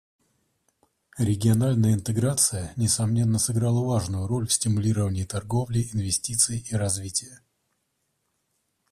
Региональная интеграция, несомненно, сыграла важную роль в стимулировании торговли, инвестиций и развития.